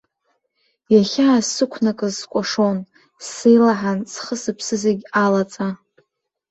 Иахьаасықәнакыз скәашон, сеилаҳан, схы-сыԥсы зегьы алаҵа.